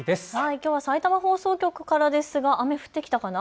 きょうはさいたま放送局からですが雨、降ってきたかな。